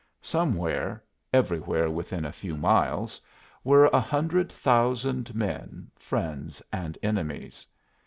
Somewhere everywhere within a few miles were a hundred thousand men, friends and enemies.